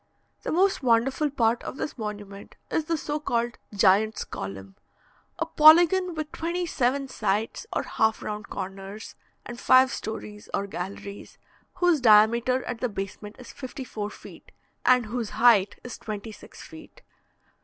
The most wonderful part of this monument is the so called "Giant's Column," a polygon with twenty seven sides or half round corners, and five stories or galleries, whose diameter at the basement is fifty four feet, and whose height is twenty six feet.